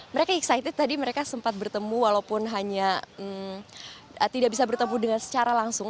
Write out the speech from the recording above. mereka excited tadi mereka sempat bertemu walaupun hanya tidak bisa bertemu dengan secara langsung